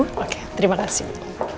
oke terima kasih bu